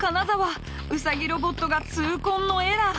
ウサギロボットが痛恨のエラー。